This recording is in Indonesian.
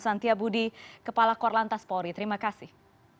santia budi kepala kor lantas polri terima kasih